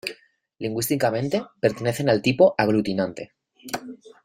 Lingüísticamente pertenecen al tipo aglutinante.